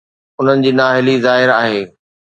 انهن جي نااهلي ظاهر آهي.